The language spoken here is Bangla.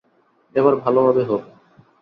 এবার ভালোভাবে হবে।